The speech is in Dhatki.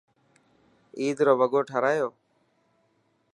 عيد رو وگو ٺارايو؟